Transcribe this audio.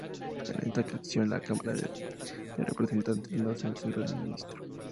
En esta acción, la Cámara de Representantes no censuró al ministro.